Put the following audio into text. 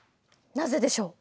なぜでしょう？